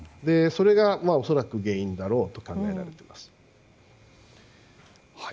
それが恐らく原因だろうと考えられています。